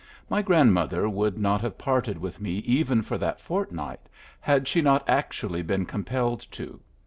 My grandmother would not have parted with me even for that fortnight had she not actually been compelled to.